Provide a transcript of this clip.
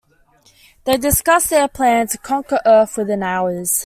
They discuss their plan to conquer Earth within hours.